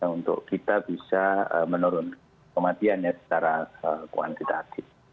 untuk kita bisa menurun kematiannya secara kuantitatif